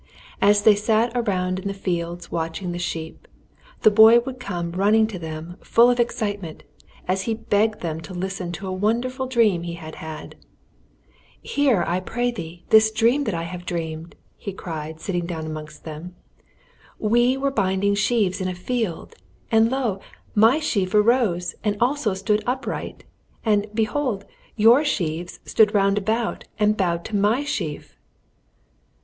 As they sat around in the fields watching the sheep, the boy would come running to them, full of excitement, as he begged them to listen to a wonderful dream he had had. "Hear, I pray thee, this dream that I have dreamed!" he cried, sitting down amongst them. "We were binding sheaves in a field, and lo! my sheaf arose and also stood upright, and, behold, your sheaves stood round about and bowed to my sheaf!"